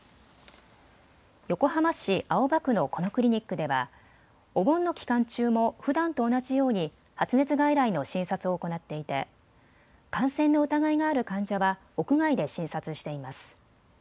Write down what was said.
横浜市青葉区のこのクリニックではお盆の期間中もふだんと同じように発熱外来の診察を行っていて感染の疑いがある患者は屋外で診察しています。